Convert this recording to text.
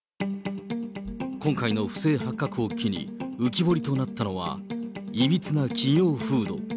今回の不正発覚を機に浮き彫りとなったのはいびつな企業風土。